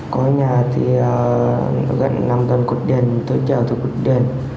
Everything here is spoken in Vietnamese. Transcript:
có nhà thì gần năm tuần cục đền tôi chào từ cục đền